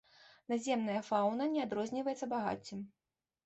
Наземная фаўна не адрозніваецца багаццем.